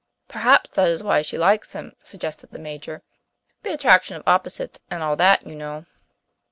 "Perhaps that is why she likes him," suggested the Major. "The attraction of opposites and all that, you know."